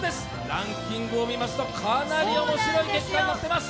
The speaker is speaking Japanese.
ランキングを見ますと、かなり面白い結果になっています。